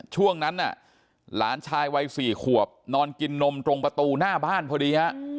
ช่วงนั้นน่ะหลานชายวัย๔ขวบนอนกินนมตรงประตูหน้าบ้านพอดีฮะ